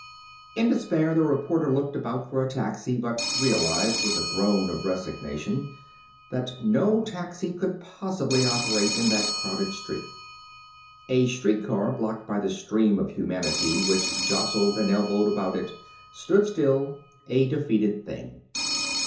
In despair the reporter looked about for a taxi, but realized, with a groan of resignation, that no taxi could possibly operate in that crowded street. A street car, blocked by the stream of humanity which jostled and elbowed about it, stood still, a defeated thing.